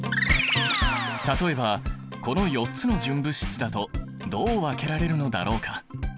例えばこの４つの純物質だとどう分けられるのだろうか？